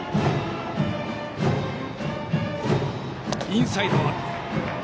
インサイド。